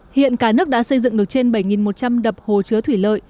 hiện cả nước đã xây dựng được trên bảy một trăm linh đập hồ chứa thủy lợi